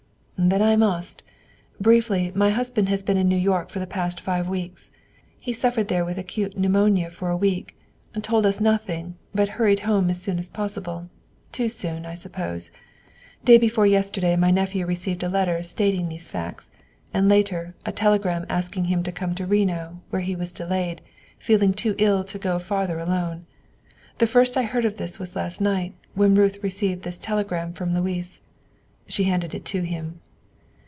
"Then I must. Briefly, my husband has been in New York for the past five weeks; he suffered there with acute pneumonia for a week, told us nothing, but hurried home as soon as possible, too soon, I suppose. Day before yesterday my nephew received a letter stating these facts, and, later, a telegram asking him to come to Reno, where he was delayed, feeling too ill to go farther alone. The first I heard of this was last night, when Ruth received this telegram from Louis." She handed it to him.